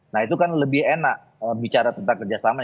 nah itu kan lebih enak bicara tentang kerjasama